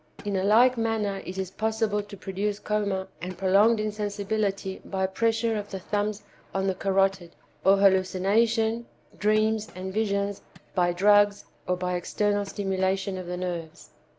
In a like manner it is possible to produce coma and prolonged insensibility by pressure of the thumbs on the carotid; or hallucination, dreams and visions by drugs, or by external stimulation of the nerves.